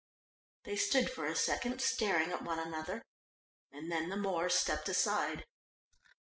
They stood for a second staring at one another, and then the Moor stepped aside.